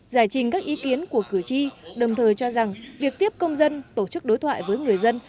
giải trình các ý kiến của cử tri đồng thời cho rằng việc tiếp công dân tổ chức đối thoại với người dân